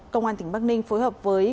công an tỉnh bắc ninh phối hợp với